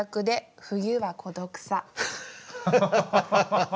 ハハハハ。